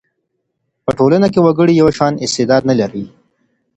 په ټولنه کي وګړي یو شان استعداد نه لري.